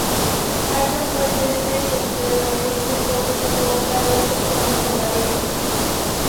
Hay un puente estrecho, pero este sólo soporta a dos personas a la vez.